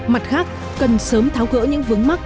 mặt khác cần sớm tháo gỡ những vướng mắc